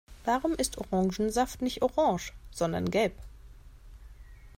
Warum ist Orangensaft nicht orange, sondern gelb?